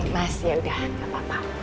mas yaudah gak apa apa